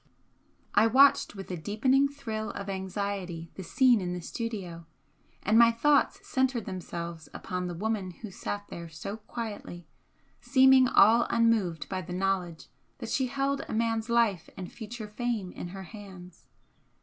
I watched with a deepening thrill of anxiety the scene in the studio, and my thoughts centred themselves upon the woman who sat there so quietly, seeming all unmoved by the knowledge that she held a man's life and future fame in her hands.